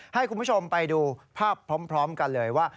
ให้คุณผู้ชมไปดูภาพพร้อมกันเลยว่า